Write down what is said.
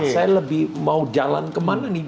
saya lebih mau jalan kemana nih